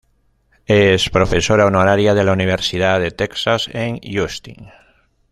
Es profesora honoraria de la universidad de Texas en Austin.